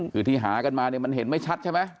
คือที่หากันมาเนี่ยมันเห็นไม่ชัดใช่ไหม